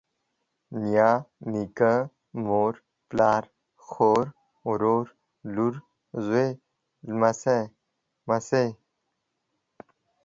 نيا، نيکه، مور، پلار، خور، ورور، لور، زوى، لمسۍ، لمسى